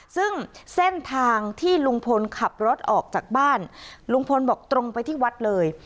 ซึ่งเส้นทางที่ลุงพลขับรถออกจากบ้านลุงพลบอกตรงไปที่วัดเลย